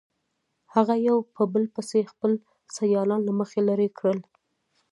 هغه یو په بل پسې خپل سیالان له مخې لرې کړل.